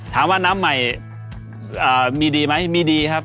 ถามว่าน้ำใหม่มีดีไหมมีดีครับ